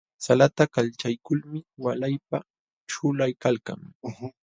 Salata kalchaykulmi walaypa ćhulaykalkan.